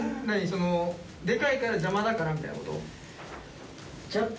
そのでかいから邪魔だからみたいなこと？